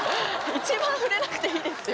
一番触れなくていいですよ